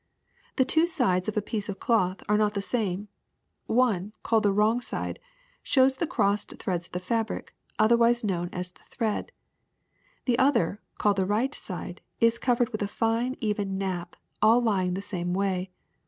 *'The two sides of a piece of cloth are not the same : one, called the wrong side, shows the crossed threads of the fabric, othermse known as the thread ; the other, called the right side, is covered with a fine, even nap, all lying the same way.